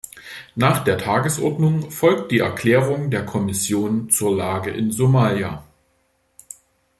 Nach der Tagesordnung folgt die Erklärung der Kommission zur Lage in Somalia.